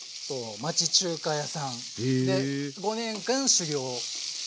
町中華屋さんで５年間修業してたよ。